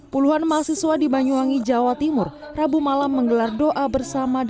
puluhan mahasiswa di banyuwangi jawa timur rabu malam menggelar doa bersama